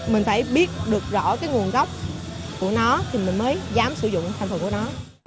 mình phải biết được rõ cái nguồn gốc của nó thì mình mới dám sử dụng thành phần của nó